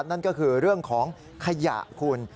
นั่นก็คือเรื่องของขยะคุณ